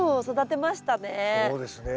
そうですね。